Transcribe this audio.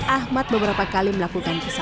ahmad beberapa kali melakukan kesalahan